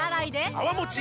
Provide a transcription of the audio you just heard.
泡もち